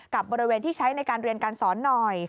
กับบริเวณที่ใช้ในการเรียนการสอนหน่อย